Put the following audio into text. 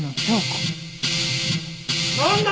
なんだ？